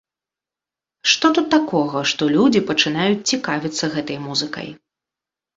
Што тут такога, што людзі пачынаюць цікавіцца гэтай музыкай?